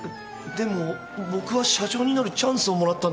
でも僕は社長になるチャンスをもらったんだ。